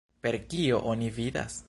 Per kio oni vidas?